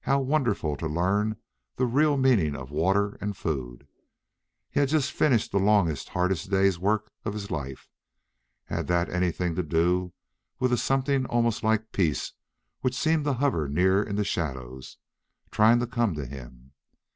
How wonderful to learn the real meaning of water and food! He had just finished the longest, hardest day's work of his life! Had that anything to do with a something almost like peace which seemed to hover near in the shadows, trying to come to him?